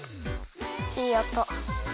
いいおと。